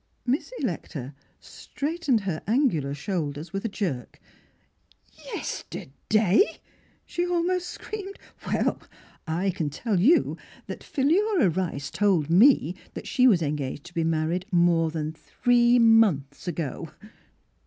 Miss Electa straightened her angular shoulders with a jerk. '* Yesterday !" she almost screamed. *' Well ! I can tell you that Philura Rice told 7ne that she was engaged to be married more than three months ago